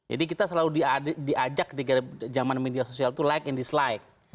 jadi kita selalu diajak di jaman media sosial itu like and dislike